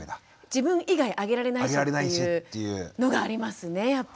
自分以外あげられないしっていうのがありますねやっぱり。